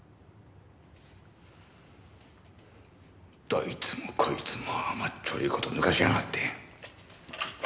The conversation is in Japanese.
どいつもこいつも甘っちょろい事ぬかしやがって。